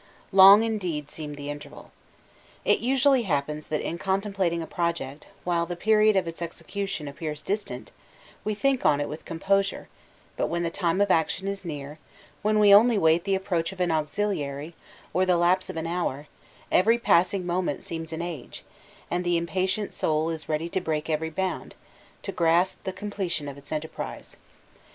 Long indeed seemed the interval. It usually happens that in contemplating a project, while the period of its execution appears distant, we think on it with composure; but when the time of action is near, when we only wait the approach of an auxiliary, or the lapse of an hour, every passing moment seems an age, and the impatient soul is ready to break every bound, to grasp the completion of its enterprise.